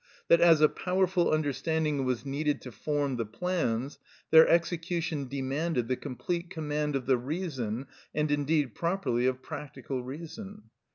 —that, as a powerful understanding was needed to form the plans, their execution demanded the complete command of the reason, and indeed properly of practical reason?